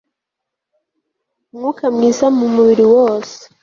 umwuka mwiza mu mubiri wose